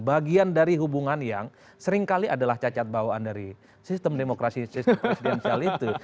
bagian dari hubungan yang sering kali adalah cacat bawaan dari sistem demokrasi presidensial itu